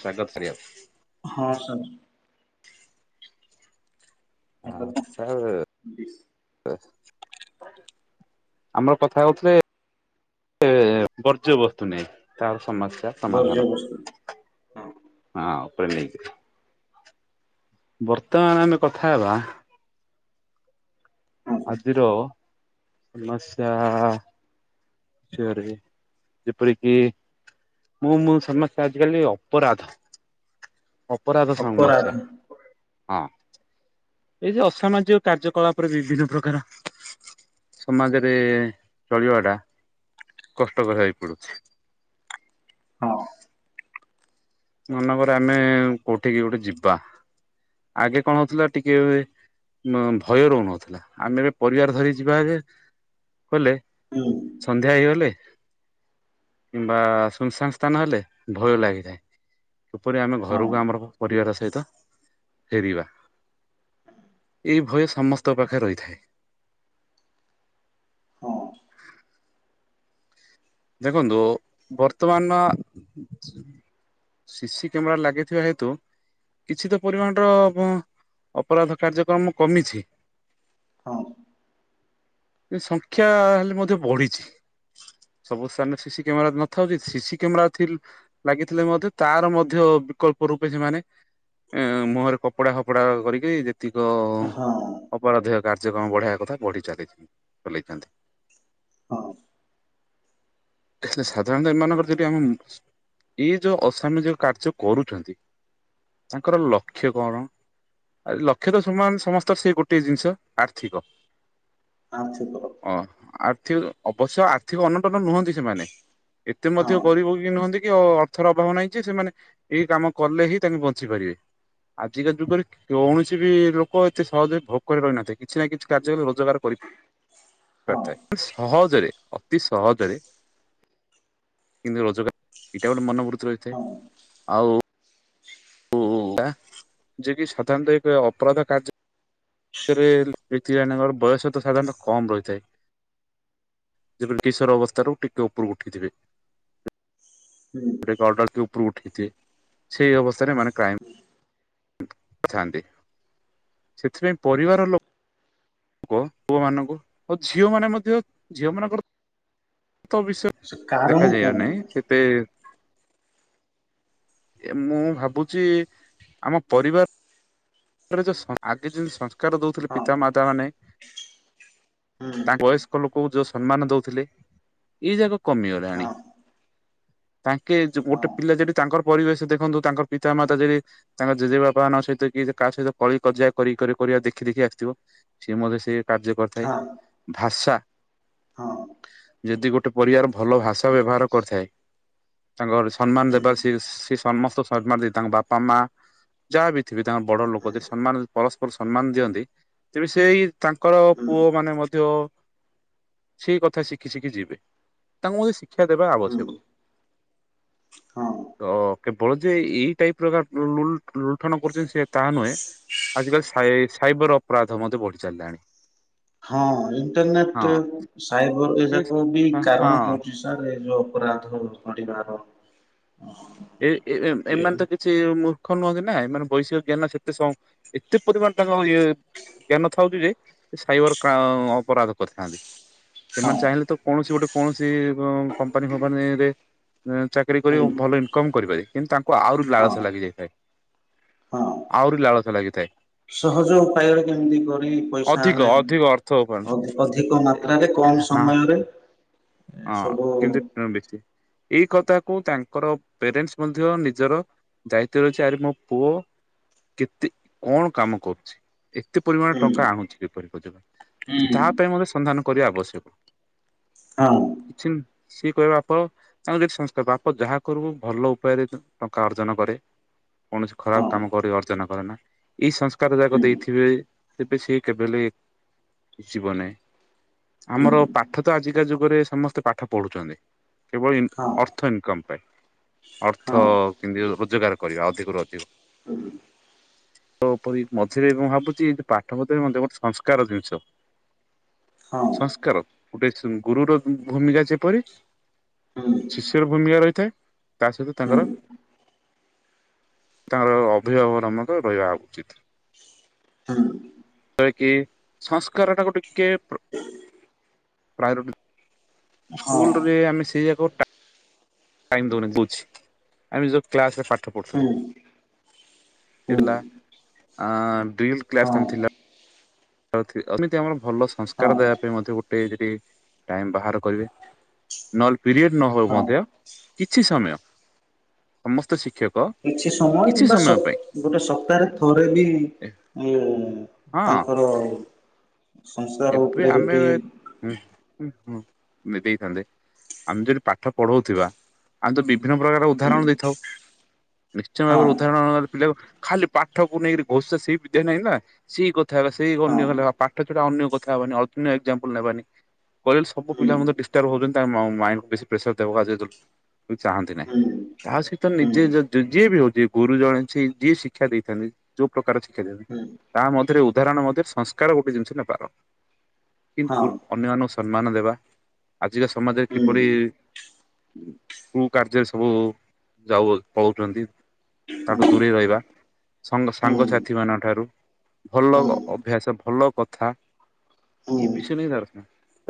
ସ୍ୱାଗତ କରିବାକୁ। ହଁ ସାର୍! ହଁ ଚା ଓ ଏ। ବିଶ। ଅ। [inaudible] ଆମର କଥା ହଉଥିଲେ ଏ ବର୍ଜ୍ୟ ବସ୍ତୁ ନେଇ ତାର ସମସ୍ୟା। ସମାଧାନକୁ। ଅବସ୍ଥା ହଁ ହଁ ଉପରେ ନେଇକିରି ବର୍ତ୍ତମାନ ଆମେ କଥା ହେବା। ହଁ ଆଜିିର ସମସ୍ୟା। ଚୋର ହି ଯେପରି କିି। ମୁଁ ମୋ ସମସ୍ୟା ଆଜି କାଲି ଅପରାଧ ଅପରାଧ ସମସ୍ୟା। ହଁ ଏଇ ଯୋଉଁ ଅସାମାଜିକ କାର୍ଯ୍ୟ କଳାପରେ ବିଭିନ୍ନ ପ୍ରକାର। ସମାଜରେ ଚଳିବା ଟା କଷ୍ଟକର ହେଇ ପଡୁଛି। ହଁ ମନକର ଆମେ କୋଉଠିକି ଗୋଟେ ଯିବା। ଆଗେ କଣ ହଉଥିଲା ଟିକେ। ମ ଭୟ ରହୁନଥିଲା ଆମେ ଏବେ ପରିବାର ଧରି ଯିବା ହେ କଲେ। ହୁଁ। ସନ୍ଧ୍ୟା ହେଇଗଲେ କିମ୍ବା ସୁନସାନ୍ ସ୍ଥାନ ହେଲେ ଭୟ ଲାଗିଥାଏ। କିପରି ଆମେ ହଁ ଘରକୁ ଆମର ପରିବାର ସହିତ ଫେରିବା ‌। ଏହି ଭୟ ସମସ୍ତଙ୍କ ପାଖେ ରହିଥାଏ। ହଁ ଦେଖନ୍ତୁ ବର୍ତ୍ତମାନ। ସି ସିି କ୍ୟାମେରା ଲାଗିଥିବା ହେତୁ। କିଛି ତ ପରିମାଣ ଟ ଅ ଅପରାଧ କାର୍ଯ୍ୟକ୍ରମ କମିଛି। ହଁ। ଏ ସଂଖ୍ୟା ହେଲେ ମଧ୍ୟ ବଢ଼ିଛି। ସବୁ ସ୍ଥାନରେ ସି ସିି କ୍ୟାମେରା ନଥାଉ ଯଦି ସି ସିି କ୍ୟାମେରା ଥି ଲାଗିଥିଲେ ମଧ୍ୟ ତାର ମଧ୍ୟ ବିକଳ୍ପ ରୂପେ ଯେମାନେ। ଏ ମୁହଁରେ କପଡା ଫପଡା କରିକି ଯେ। ଭିତିକ ହଁ ଅପରାଧୀୟ କାର୍ଯ୍ୟକ୍ରମ ବଢ଼ାଇବା କଥା ବଢି ଚାଲେ ଚଲେଇଥାନ୍ତି। ହଁ। ସାଧାରଣତଃ ଏମାନଙ୍କର ଯଦି ଆମ ଇଏ ଯୋଉ ଅସାମାଜିକ କାର୍ଯ୍ୟ କରୁଛନ୍ତି ‌। ତାଙ୍କର ଲକ୍ଷ୍ୟ କଣ? ଆରେ ଲକ୍ଷ୍ୟ ତ ସମାନ ସମସ୍ତ ସେ ଗୋଟେ ଜିନିଷ ଆର୍ଥିକ। ଆଚ୍ଛା କହ। ଅ ଆର୍ଥିକ ଅବଶ୍ୟ ଆର୍ଥିକ ଅନଟନ ନୁହନ୍ତି ସେମାନେ, ଏତେ ମଧ୍ୟ ହଁ ଗରିବ କି ନୁହଁନ୍ତି। କି ଅର୍ଥର ଅଭାବ ନାହିଁ ଯେ ସେମାନେ ଏଇ କାମ କଲେ ହିଁ ତାଙ୍କୁ ବଞ୍ଚି ପାରିବେ। ଆଜିକା ଯୁଗରେ କୌଣସି ବି ଲୋକ ଏତେ ସହଜରେ ଭୋକ ରେ ରହିନଥିବେ। କିଛି ନା କିଛି କାର୍ଯ୍ୟ ରେ ରୋଜଗାର କରି ହଁ ପାରିଥାଏ ସହଜରେ ଅତି ସହଜରେ। କିନ୍ତୁ ରୋଜଗାର ଏଟା ଗୋଟେ ମନୋବୃର୍ତ୍ତି ରହିଛି। ହଁ ଛୁ। ଆଉ। ହୁଁ ଟା ଯିଏ କି ସାଧାରଣତଃ ଏକ ଅପରାଧ କାର୍ଯ୍ୟ। ରେ ବ୍ୟକ୍ତି ଜଣଙ୍କର ବୟସ ତ ସାଧାରଣତଃ କମ ରହିଥାଏ। ଯେବେ କିଶୋର ଅବସ୍ଥାରୁ ଟିକେ ଉପରୁକୁ ଉଠିଥିବେ। ହୁଁ ସେ ଅର୍ଡର ଯୋଉଁ ଉପୁରୁ ଉଠେଇଥିବେ। ସେଇ ଅବସ୍ଥାରେ ମାନେ କ୍ରାଇମି [unintelligible] ଲୋକ ଥାନ୍ତି ସେଥିପାଇଁ ପରିବାର ଲୋ ପୁୁଅ ପୁଅ ମାନଙ୍କୁ ଆଉ ଝିଅ ମାନେ ମଧ୍ୟ ଝିଅ ମାନଙ୍କର ତ ବିଷୟ ସେ କାରଣ କଣ ଦେଖାଯିବା ନାଇଁ ହେଲା? ସେତେ ଏ ମୁଁ ଭାବୁଛି ଆମ ପରିବାର [inaudible] ଆଗେ ଯେମିତି ସଂସ୍କାର ଦଉଥିଲେ ହଁ ପିତା ମାତା ମାନେ, [unintelligible] ତାଙ୍କ ବୟସ୍କ ଲୋକଙ୍କୁ ଯୋଉ ସମ୍ମାନ ଦଉଥିଲେ ଏଇ ଯାକ ହଁ କମିଗଲାଣି। ତାଙ୍କେ ଗୋଟେ ପିଲା ଯଦି ତାଙ୍କର ପରିବେଶ ଦେଖନ୍ତୁ ତାଙ୍କର ପିତା ମାତା ଯଦି ତାଙ୍କ ଜେଜେ ବାପାଙ୍କ ସହିତ କି କାହା ସହିତ କଳି କଜିଆ କରି କରି କରିବା ଦେଖି ଦେଖି ଆସିଥିବ, ସିଏ ମଧ୍ୟ ସେ କାର୍ଯ୍ୟ କରିଥାଏ। ହଁ ହଁ ଭାଷା। ହଁ। ଯଦି ଗୋଟେ ପରିବାର ଭଲ ଭାଷା ବ୍ୟବହାର କରିଥାଏ ତାଙ୍କ ସମ୍ମାନ ଦେବାରେ ସ ସେ ସମସ୍ତ ସମ୍ମାନ ଦେଇ ତାଙ୍କ ବାପା ମା ଯାହା ବିି ଥିବେ ତାଙ୍କ ବଡ ଲୋକ ଯ ସମ୍ମାନ ପରସ୍ପର ସମ୍ମାନ ଦିଅନ୍ତି, ତେବେ ସେଇ ତାଙ୍କର ହୁଁ ପୁଅ ମାନେ ମଧ୍ୟ [inaudible] ସେଇ କଥା ଶିଖି ଶିଖି ଯିବେ। ତାଙ୍କୁ ମ ଶିକ୍ଷା ଦେବା ହୁଁ ଆବଶ୍ୟକ। ହଁ ତ କେବଳ ଯେ ଏଇ ଟାଇପ ର ଲୁଲୁ ଲୁଲଠଣ କରୁଛନ୍ତି ସେ ତାହା ନୁହେଁ ଆଜିକାଲି ସାଇ ସାଇବର ଅପରାଧ ମଧ୍ୟ ବଢି ଚାଲିଲାଣି। ହଁ ହଁ ଇଣ୍ଟରନେଟ ସାଇବର ଏ ଯାକ ବି ହଁ ହଁ କାରଣ ହଉଛି। ଯୋଉ ଅପରାଧ ବଢିବାର ଏ ଏ ଏମାନେ ତ ସେ ମୂର୍ଖ ନୁହଁନ୍ତି ନା ମାନେ ବୈଷୟିକ ଜ୍ଞାନ ସେତେ ଏତେ ପରିମାଣ ତାଙ୍କ ଇଏ ଜ୍ଞାନ ଥାଉଛି ଯେ ସାଇବର ଅପରାଧ କରିଥାନ୍ତି। ହଁ ସେମାନେ ଚାହିଁଲେ ତ କୌଣସି ଗୋଟେ କୌଣସି କମ୍ପାନୀ ଫମ୍ପାନୀ ରେ ଚା ଚାକିରି କରି ହୁଁ ଭଲ ଇନକମ୍ କରିପାରିବ କିନ୍ତୁ ତାଙ୍କୁ ଆହୁରି ହଁ ଲାଳସା ଲାଗିଯାଇଥାଏ। ହଁ ଆହୁରି ଲାଳସା ଲାଗିଥାଏ। ସହଜ ଉପାୟ କେମିତି କରି ପଇସା ଅଧିକ ଆମେ ଅଧିକ ଅର୍ଥ ଅ ଉପାର୍ଜନ ଅଧିକ ମାତ୍ରାରେ କମ ହଁ ସମୟରେ ହଁ ସବୁ କିନ୍ତି [unintelligible] ଏଇ କଥାକୁ ତାଙ୍କର ପ୍ୟାରେଣ୍ଟସ୍ ମଧ୍ୟ ନିଜର ଦାୟିତ୍ଵ ରହିଛି ଆରେ ମୋ ପୁଅ କେତେ କଣ କାମ କରୁଛି। ଏତେ ପରିମାଣ ହୁଁ ଟଙ୍କା ଆଣୁଛି କିପରି ହୁଁ ତା ପାଇଁ ମୋତେ ସନ୍ଧାନ କରିବା ଆବଶ୍ୟକ। ହଁ। ସିଏ କହିବା [inaudible] ତାଙ୍କୁ ଯଠି ସଂସ୍କାର ବାପ ଯାହା କରିବୁ ଭଲ ଉପାୟରେ ଟଙ୍କା ଅର୍ଜନ କରେ। କୌଣସି ଖରାପ ହଁ କାମ କରି ଅର୍ଜନ କରେ ନା ଏଇ ସଂସ୍କାର ଯାକ ହୁଁ ଦେଇଥିବେ। ତେବେ ସେ କେବେହେଲେ ଯିବ ନାହିଁ ହୁଁ ଆମର ପାଠ ତ ଆଜିକା ଯୁଗରେ ସମସ୍ତେ ପାଠ ପଢ଼ୁଛନ୍ତି କେବଳ ହଁ ଅର୍ଥ ଇନକମ୍ ପାଇଁ। ଅର୍ଥ ହଁ କେମିତି ରୋଜଗାର କରିବା ଅଧିକରୁୁ ଅଧିକ। [unintelligible] [unintelligible] ତ ପରି ମଝିରେ ମୁଁ ଭାବୁଛି ପାଠ [unintelligible] ଗୋଟେ ସଂସ୍କାର ଜିନିଷ। ହଁ ସଂସ୍କାର ଗୋଟେ ଗୁରୁର ଭୂମିକା ଯେପରି ହୁଁ ଶିଷ୍ୟର ଭୂମିକା ରହିଥାଏ ତା ସହିତ ହୁଁ ତାଙ୍କର ତାଙ୍କର ଅଭିଭାବକର ମଧ୍ୟ ରହିବା ଉଚିତ୍। [unintelligible] କି ସଂସ୍କାରଟାକୁ ଟିକେ ପ୍ରାୟରିଟି ହଁ ସ୍କୁଲରେ ଆମେ ସେଇ [unintelligible] ଟାଇମ [unintelligible] ଆମ ଯେତେବେଳେ କ୍ଲାସରେ ପାଠ ପଢୁଥିଲେ। ହୁଁ ହୁଁ ଇଲା ଅ ଡ୍ରି କ୍ଲାସ୍ ହଁ ଥିଲା। ଏମିତି ଆମର ଭଲ ହଁ ସଂସ୍କାର ଦେବା ପାଇଁ ମଧ୍ୟ ଗୋଟେ ଯଦି ଟାଇମ ବାହାର କରିବେ। ନହେଲେ ପିରିଏଡ଼ ନ ହଉ ହଁ ମଧ୍ୟ କିଛି ସମୟ। ସମସ୍ତ ଶିକ୍ଷକ କିଛି ସମୟ କିଛି କିମ୍ବା ପାଇଁ ଗୋଟେ ସପ୍ତାହରେ ଥରେ ବି ଏ ହଁ ତାଙ୍କର ସଂସାର ଏବେ ଉପରେ ଆମେ ଯଦି ହୁଁ [unintelligible] ଦେଇଥାନ୍ତେ ଆମେ ଯଦି ପାଠ ପଢଉଥିବା ଆମେ ତ ବିଭିନ୍ନ ପ୍ରକାର ହୁଁ ଉଦାହରଣ ଦେଇଥାଉ। ନିଶ୍ଚୟ ଭାବରେ ହଁ ଉଦାହରଣ ଖାଲି ପାଠକୁ ନେଇକରି ଘୋଷା ସେଇ ବିଦ୍ୟା ନାହିଁ ନା ସେଇ କଥା ହେବା ସେଇ ହଁ ଅନ୍ୟ ପାଠ ସେଟା ଅନ୍ୟ କଥା ହେବାନି ଅନ୍ୟ ଏକ୍ସାପଲ ନେବାନି। କହିଲେ ହୁଁ ସବୁପିଲା ମଧ୍ୟ ଦିଷ୍ଟର୍ବ ହଉଛନ୍ତି ତାଙ୍କ ମାଇଣ୍ଡକୁ ବେଶୀ ପ୍ରେସର ଦେବାକୁ ଚାହାନ୍ତି ନାହିଁ। ହୁଁ ତା ସହିତ ସାର୍ ଏଇଟା ମୁଁ ନିଜେ ଯିଏ ବି ହଉଛି ଗୁରୁ ଜଣ ସେ ଯିଏ ଶିକ୍ଷା ଦେଇଥାନ୍ତି ଯୋଉ ପ୍ରକାର ଶିକ୍ଷା ଦେଇଥାନ୍ତି। ତା ମଧ୍ୟରେ ଉଦାହରଣ ମଧ୍ୟରେ ସଂସ୍କାର ଗୋଟେ ଜିନିଷ ନେବାର। ସିମ୍ପୁଲ ଅନ୍ୟ ମାନଙ୍କୁ ସମ୍ମାନ ଦେବା। ଆଜିକା ସମାଜରେ କିପରି କୁକାର୍ଯ୍ୟରେ ସବୁ ଯାଉ ପଲଉଛନ୍ତି। ତାକୁ ଦୂରେଇ ରହିବା ସାଙ୍ଗସାଥି ମାନଙ୍କ ଠାରୁ ଭଲ ଅଭ୍ୟାସ ଭଲ କଥା ଏଇ ବିଷୟ ନେଇ ତାର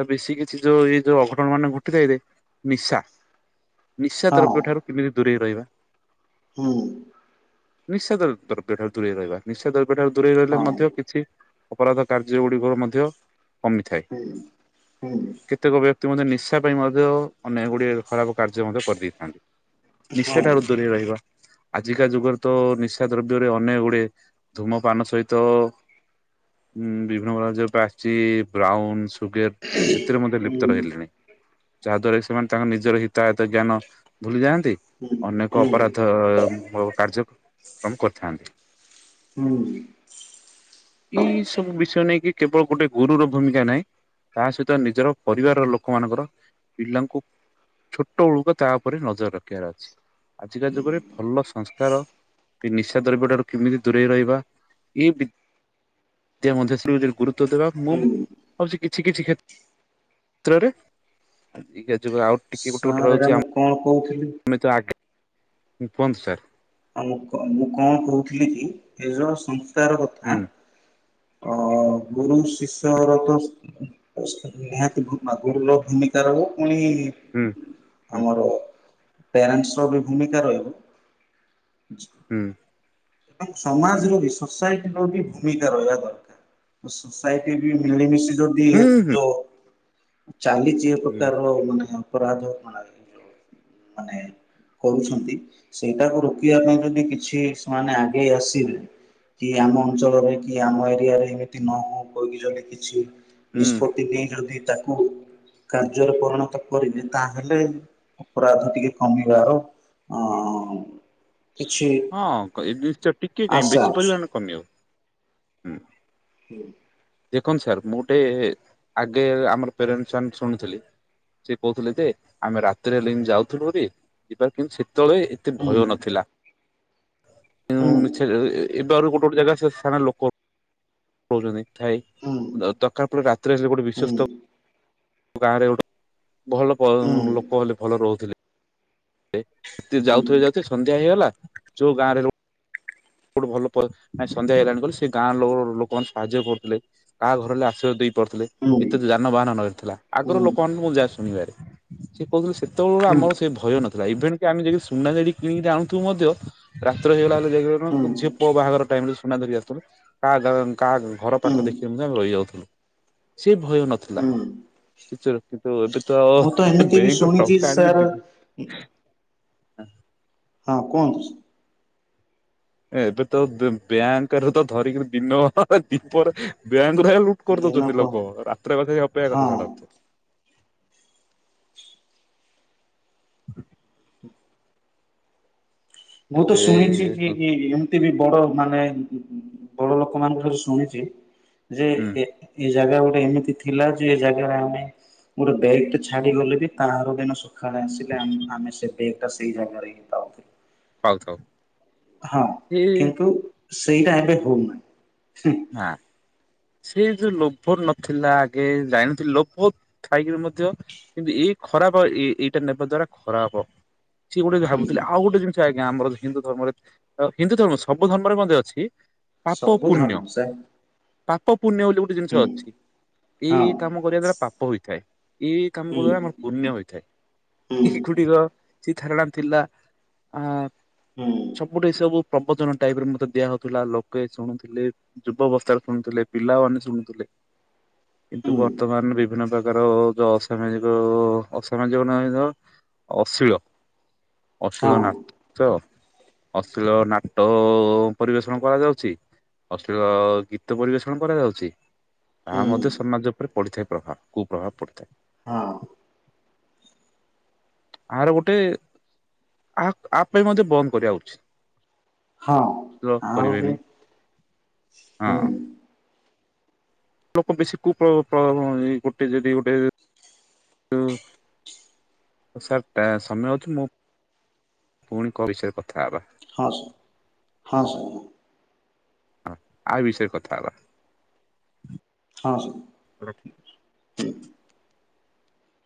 ତା ବେଶୀ କିଛି ଯୋଉ ଏଇ ଯୋଉ ଅଘଟଣ ମାନେ ଘଟିଥାଏ ଯେ ନିଶା। ନିଶା ଦ୍ରବ୍ୟ ଠାରୁ କେମିତି ଦୂରେଇ ରହିବା? ହୁଁ ନିଶା ଦ୍ର ଦ୍ରବ୍ୟ ଠାରୁ ଦୂରେଇ ରହିବା। ନିଶା ଦ୍ରବ୍ୟ ଠାରୁ ଦୂରେଇ ରହିଲେ ମଧ୍ୟ କିଛି ଅପରାଧ କାର୍ଯ୍ୟ ଗୁଡ଼ିକର ମଧ୍ୟ କମିଥାଏ। ପ୍ରତ୍ୟେକ ବ୍ୟକ୍ତି ମଧ୍ୟ ନିଶା ପାଇଁ ମଧ୍ୟ, ଅନେକ ଗୁଡ଼ିଏ ଖରାପ କାର୍ଯ୍ୟ ମଧ୍ୟ କରିଦେଇଥାନ୍ତି। ନିଶା ଠାରୁ ଦୂରେଇ ରହିବା। ଆଜିକା ଯୁଗରେ ତ ନିଶା ଦ୍ରବ୍ୟରେ ଅନେକ ଗୁଡ଼େ ଧୂମପାନ ସହିତ ଉଁ ବିଭିନ୍ନ ପ୍ରକାର ଯୋଉ ପା ଆସିଛି, ବ୍ରାଉନ ସୁଗାର ସେଥିରେ ମଧ୍ୟ ଲିପ୍ତ ରହିଲେଣି। ଯା ଦ୍ଵାରା କି ସେମାନେ ତାଙ୍କର ନିଜର ହିତାୟତ ଜ୍ଞାନ ଭୁଲି ଯାଆନ୍ତି ଅନେକ ଅପରାଧ ଦ ମ କାର୍ଯ୍ୟକ୍ରମ କରିଥାନ୍ତି। ହୁଁ ଏଇ ସବୁ ବିଷୟ ନେଇକି କେବଳ ଗୋଟେ ଗୁରୁ ର ଭୂମିକା ନାହିଁ ତା ସହିତ ନିଜର ପରିବାର ର ଲୋକ ମାନଙ୍କର ପିଲାଙ୍କୁ ଛୋଟ ବଳକୁ ତା ଉପରେ ନଜର ରଖିବାର ଅଛି। ଆଜିକା ଯୁଗରେ ଭଲ ସଂସ୍ କାର, ଏଇ ନିଶା ଦ୍ରବ୍ୟ ଠାରୁ କେମିତି ଦୂରେଇ ରହିବା? ଏଇ ବି ଦ୍ୟା ମଧ୍ୟ [unintelligible] ଗୁରୁତ୍ବ ଦେବା ମୁମ୍ ହଉଛି କିଛି କିଛି କ୍ଷେ ତ୍ରରେ। ଆଜିକା ଯୁଗ ଆଉ ସାର୍ ଏଇଟା ମୁଁ କଣ କହୁଥିଲି? ମେ ତୋ ଆଗ୍ ଁ କୁଅନ୍ତୁ ସାର୍। ଆଁ ମୁଁ ମୁଁ କଣ କହୁଥିଲି କି? ଏ ଯୋଉ ସଂସ୍କାର ହୁଁ କଥା ଅ ଗୁରୁ ଶିଷ୍ୟର ତ ନିହାତି [unintelligible] ର ଭୂମିକା ରହିବ ପୁଣି ହୁଁ ହୁଁ ଆମର ପ୍ୟାରନ୍ସ୍ ର ବି ଭୂମିକା ରହିବ। ଜ୍ ହୁଁ। ଏବଂ ସମାଜରେ ବି, ସୋସାଇଟିର ବି ଭୂମିକା ରହିବା ଦରକାର। ସୋସାଇଟି ବି ମିଳିମିଶି ଯଦି ହୁଁ ଏ ହୁଁ ଯୋ ଚାଲିଛି ଏ ହୁଁ ପ୍ରକାର ମାନେ ଅପରାଧ ମାନେ ମାନେ ହୁଁ କରୁଛନ୍ତି ସେଇଟାକୁ ରୋକିବା ପାଇଁ ଯଦି କିଛି ସେମାନେ ଆଗେଇ ଆସିବେ। କି ଆମ ଅଞ୍ଚଳରେ, କି ଆମ ଏରିଆରେ, ଏମିତି ନ ହଉ କହିକି ଯଦି କିଛି, ହୁଁ ନିଷ୍ପ ତି ଦିନେ ଯଦି ତାକୁ, କାର୍ଯ୍ୟରେ ପରିଣତ କରିବେ, ତାହେଲେ ଅପରାଧ ଟିକେ କମିବାର ଅଁ ହଁ ଏ ଟିକେ କାଇଁ ଆଶା ବେଶୀ ପରିମାଣରେ ଅଛି। କମିଅ ହୁଁ। ହୁଁ। ଦେଖନ୍ତୁ ସାର୍, ମୁଁ ଗୋଟେ ଆଗେ ଆମର ପେରେନ୍ସ୍ ମାନେ ଶୁଣୁଥିଲି। ସେ କହୁଥିଲେ, ଯେ ଆମେ ରାତିରେ ହେଲେ ଏନ୍ତି ଯାଉଥିଲୁ ହରି, ଯିବାର କିନ୍ତୁ ସେତେବେଳେ ଏତେ ଭୟ ନଥିଲା। ଛେ ଏବେ ଆହୁରି ଗୋଟେ ଗୋଟେ ଜାଗା ସେ ସ୍ଥାନରେ ଲୋକ ରହୁଛନ୍ତି। ଥାଇ, ଦ ଦରକାର ପଡ଼ିଲେ ରାତି ସେ ଗୋଟେ ବିଶ୍ଵସ୍ତ ଗାଁରେ ଗୋଟେ, ଭଲ ପଂ ଲୋକ ହେଲେ ଭଲ ରହୁ ଏ ତେ ଯାଉଥିବେ ଯାଉଥିବେ ସନ୍ଧ୍ୟା ହେଇଗଲା, ଯୋଉ ଗାଁରେ କୋଉଠୁ ଭଲ ପ ନାଇଁ ସନ୍ଧ୍ୟା ହେଇଗଲାଣି କହିଲେ ସେ ଗାଁର ଲୋ ଲୋକମାନେ ସାହାଯ୍ୟ କରୁଥିଲେ। କାହା ଘର ହେଲେ ଆଶ୍ରୟ ଦେଇ ପାରୁଥିଲେ, ଏତେ ତ ଯାନବାହାନ ନ ଥିଲା, ଆଗରୁ ଲୋକମାନେ ମୁଁ ଯା ଶୁଣିବାରେ। ସି କ୍ ରୁ ସେତେବେଳକୁ ଆମର ସେ ଭ ଭୟ ନଥିଲା, ଇଭେଣ୍ କି ଆମେ ଯାଇକିରି ସୁନା ଯାଇଟି କିଣିକିରି ଆଣୁଥୁବୁ ମଧ୍ୟ ରାତ୍ର ହେଇଗଲା ବଲେ ଯା ଝିଅ ପୁଅ ବାହାଘର ଟାଇମ୍ ରେ ସୁନା ଧରି ଆସୁଥିଲୁ, କା ଘ କା ଘର ପାଖ ଦେଖିକି ନା ରହିଯାଉଥିଲୁ। ସେ ଭୟ ନଥିଲା, ସେ ଚୋର କିନ୍ତୁ ଏବେ ତ ଆଉ ମୁଁ ବ୍ୟାଙ୍କ ଟଙ୍କା ଆଣିକି ଦିନୁ ହୁଁ। ହଁ କୁହନ୍ତୁ। ଏବେ ତ ଵ୍ୟା ବ୍ୟାଙ୍କରେ ତ ଧରିକିରି ଦିନ ଦିପରେ ବ୍ୟାଙ୍କ [unintelligible] କରି ଦଉଛନ୍ତି ଦିନକ ଲୋକ ରାତ୍ର କଥା ଅପେକ୍ଷା ହଁ କର ଛାଡ। ମୁଁ ତ ଏବେ ଶୁଣିଛି ଜି କି କି ଏତ ବି ବଡ ମାନେ ବଡ ଲୋକମାନଙ୍କ ଠାରୁ ଶୁଣିଛି ଯେ ହୁଁ ଏ ଜାଗା ଗୋଟେ ଏମିତି ଥିଲା ଯେ ଏ ଜାଗାରେ ଆମେ ମୋର ବେଗ ଟେ ଛାଡି ଗଲେ ବି ତାର ଦିନ ସକାଳେ ଆସିଲେ ଆମେ ଆମେ ସେ ବେଗ ଟା ସେଇ ଜାଗାରେ ହିଁ ପାଉଥିଲୁ। ପାଉଥାଉ। ହଁ ସେ କିନ୍ତୁ ସେଇଟା ଏବେ ହଉନାହିଁ, ହୁଁ। ନା। ସେ ଯୋଉ ଲୋଭ ନଥିଲା ଆଗେ ଯାଇନଥିଲି ଲୋଭ ଥାଇକିରି ମଧ୍ୟ କିନ୍ତୁ ଏଇ ଖରାପ ଏ ଏଇଟା ନେବା ଦ୍ଵାରା ଖରାପ। ସିଏ ଗୋଟେ ହୁଁ ଭାବୁଥିଲେ ଆଉ ଗୋଟେ ଜିନିଷ ଆଜ୍ଞା ଆମର ହିନ୍ଦୁ ଧର୍ମରେ ହିନ୍ଦୁ ଧର୍ମ ସବୁ ଧର୍ମରେ ମଧ୍ୟ ଅଛି। ପାପ ସବୁ ପୁଣ୍ୟ ଧର୍ମ ସେମ। ପାପ ପୁଣ୍ୟ ବୋଲି ଗୋଟେ ଜିନିଷ ଅଛି। ଏଇ ହଁ ଏଇ କାମ କରିବା ଦ୍ଵାରା ପାପ ହୋଇଥାଏ ଏଇ ଏଇ କାମ ହୁଁ କରିବା ଦ୍ଵାରା ଆମର ପୁଣ୍ୟ ହୋଇଥାଏ। ହୁଁ [unintelligible] ସେ ଧାରାଟା ଥିଲା ଆ ହୁଁ। ପ୍ରୋପୋର୍ଟୀ ସବୁ ପ୍ରପୂଜନ ଟାଇପ ର ଦିଆ ହଉଥିଲା ଲୋକେ ଶୁଣୁଥିଲେ ଯୁବବସ୍ଥାରେ ଶୁଣୁଥିଲେ ପିଲାମାନେ ଶୁଣୁଥିଲେ। କିନ୍ତୁ ହୁଁ ବର୍ତ୍ତମାନ ବିଭିନ୍ନ ପ୍ରକାର ଯ ଅସାମାଜିକ ଅସାମାଜିକ ନୁହେ ତ ଅଶିଳ। ହଁ ଅଶୀଳ ନା ଚ ଅଶ୍ଲୀଳ ନାଟ ଓ ପରିବେଷଣ କରାଯାଉଛି। ଅଶ୍ଳୀଳ ଗୀତ ପରିବେଷଣ କରାଯାଉଛି ତାହା ହୁଁ ମଧ୍ୟ ସମାଜ ଉପରେ ପଡିଥାଏ ପ୍ରଭାବ କୁ ପ୍ରଭାବ ପଡିଥାଏ। ହଁ। ଆର ଗୋଟେ ଆ ଆ ପାଇଁ ମଧ୍ୟ ବନ୍ଦ କରିବା ଉଚିତ। ହଁ ଲଭ ଆଉ ବି କରିବେନି ହଁ। ହୁଁ ଲୋକ ବେଶୀ କୁ ପ୍ର ପ୍ରଭାବ ନେଇ ଗୋଟେ ଯଦି ଗୋଟେ ସାର୍ ଟା ସମୟ ଅଛି ମୁଁ ପୁଣି କ ବିଷୟରେ କଥା ହେବା। ହଁ ସାର୍ ହଁ ସାର୍ ହଁ। ହଁ ଆ ବିଷୟରେ କଥା ହବା। ହଁ ସାର୍। ହୁଁ।